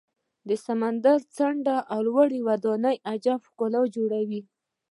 د سمندر څنډه او لوړې ودانۍ عجیبه ښکلا جوړوي.